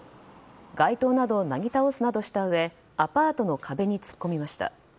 街頭をなぎ倒すなどしたうえアパートの壁に突っ込みました。